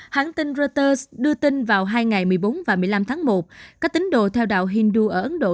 hãng tin reuters đưa tin vào hai ngày một mươi bốn và một mươi năm tháng một có tính đồ theo đạo hindu ở ấn độ